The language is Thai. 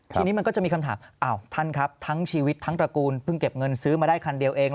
ทีนี้มันก็จะมีคำถามอ้าวท่านครับทั้งชีวิตทั้งตระกูลเพิ่งเก็บเงินซื้อมาได้คันเดียวเอง